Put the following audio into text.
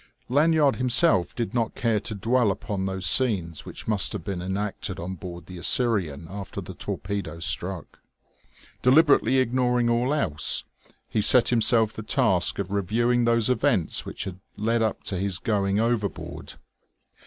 Lanyard himself did not care to dwell upon those scenes which must have been enacted on board the Assyrian after the torpedo struck.... Deliberately ignoring all else, he set himself the task of reviewing those events which had led up to his going overboard.